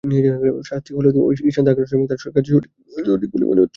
শাস্তি হলেও ইশান্তের আগ্রাসন বরং তাঁর কাছে সঠিক বলেই মনে হয়েছে।